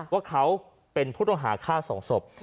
ว่าเขาเป็นผู้ต้องหาฆ่าสองศพ